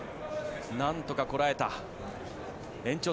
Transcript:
なんとかこらえた。